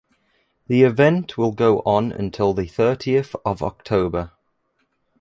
The event will go on until the thirtieth of October.